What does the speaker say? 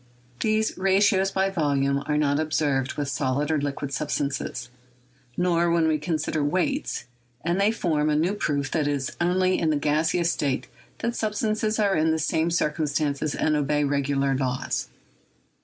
These ratios by volume are not observed with solid or liquid sub stances, nor when we consider weights, and they form a new proof that it is only in the gaseous state that sub stances are in the same circumstances and obey regular laws.